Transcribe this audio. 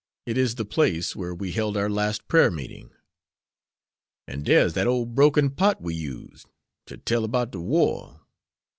"It is the place where we held our last prayer meeting." "An' dere's dat ole broken pot we used, ter tell 'bout de war.